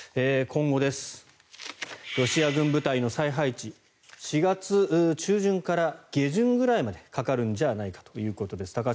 今後、ロシア軍部隊の再配置４月中旬から下旬ぐらいまでかかるんじゃないかということです。